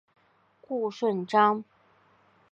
顾顺章。